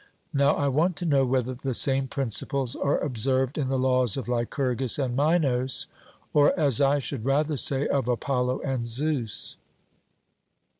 Now I want to know whether the same principles are observed in the laws of Lycurgus and Minos, or, as I should rather say, of Apollo and Zeus.